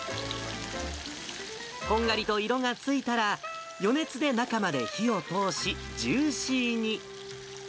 こんがりと色がついたら、余熱で中まで火を通し、ジューシーに。